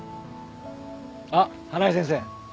あっ花井先生